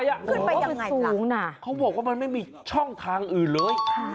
ขึ้นไปยังไงสูงนะเขาบอกว่ามันไม่มีช่องทางอื่นเลย